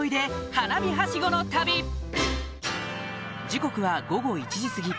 時刻は午後１時すぎ